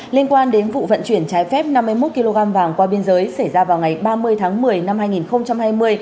liên quan đến vụ vận chuyển trái phép năm mươi một kg vàng qua biên giới xảy ra vào ngày ba mươi tháng một mươi năm hai nghìn hai mươi